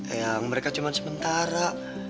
ayang mereka cuma sementara